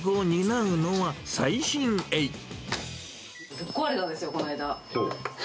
ぶっ壊れたんですよ、この間。